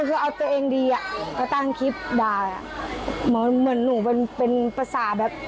คือเอาตัวเองดีอ่ะก็ตั้งคลิปด่าเหมือนหนูเป็นเป็นภาษาแบบ